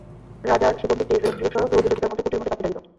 রাজার সুগম্ভীর দৃঢ় স্বর রুদ্ধ ঝটিকার মতো কুটিরের মধ্যে কাঁপিতে লাগিল।